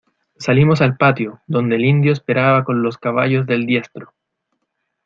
salimos al patio, donde el indio esperaba con los caballos del diestro: